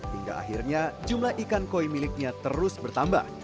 hingga akhirnya jumlah ikan koi miliknya terus bertambah